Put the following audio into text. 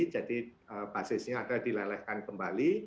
jadi basisnya adalah dilelehkan kembali